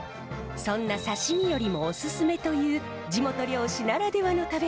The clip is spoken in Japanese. そんな刺身よりもおすすめという地元漁師ならではの食べ方があります。